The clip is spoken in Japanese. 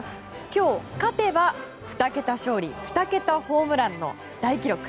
今日、勝てば２桁勝利２桁ホームランの大記録。